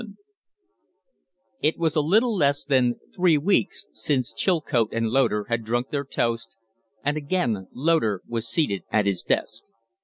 VII It was a little less than three weeks since Chilcote and Loder had drunk their toast, and again Loder was seated at his desk.